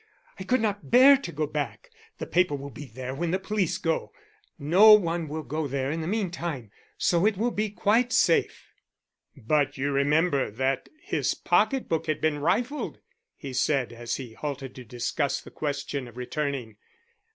"I could not bear to go back. The paper will be there when the police go. No one will go there in the meantime, so it will be quite safe." "But you remember that his pocket book had been rifled," he said, as he halted to discuss the question of returning.